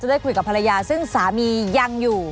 ได้คุยกับภรรยาซึ่งสามียังอยู่